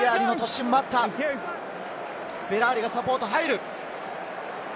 フェラーリがサポートに入る。